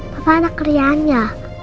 papa ada kerjaan ya